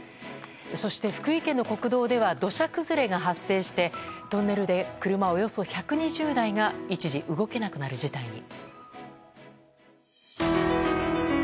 そして、福井県の国道では土砂崩れが発生してトンネルで車およそ１２０台が一時動けなくなる事態に。